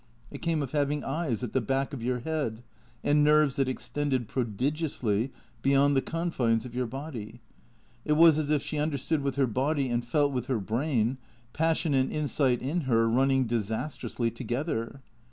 It came of having eyes at the back of your head and nerves that extended, prodigiously, beyond the confines of your body. It was as if she understood with her body and felt with her brain, passion and insight in her running disastrously together.